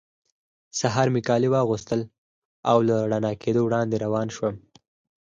سهار مې کالي واغوستل او له رڼا کېدو وړاندې روان شوم.